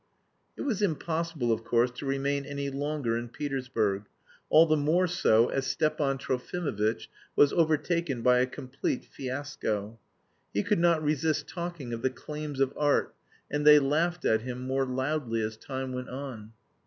It was impossible, of course, to remain any longer in Petersburg, all the more so as Stepan Trofimovitch was overtaken by a complete fiasco. He could not resist talking of the claims of art, and they laughed at him more loudly as time went on.